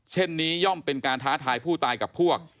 เช่นนี้ย่อมเป็นการท้าทายผู้ตายกับพวก